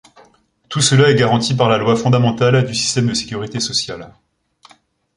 Tout cela est garanti par la Loi fondamentale du système de sécurité sociale.